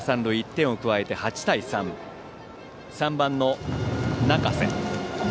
１点を加えて８対３で３番、中瀬。